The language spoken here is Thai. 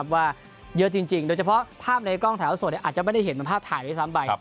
ว่าเยอะจริงโดยเฉพาะภาพในกล้องแถวสดอาจจะไม่ได้เห็นเหมือนภาพถ่ายด้วยซ้ำไป